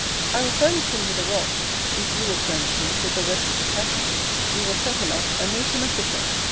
I will furnish him with a rod, if you will furnish him with the rest of the tackling: we will set him up, and make him a fisher.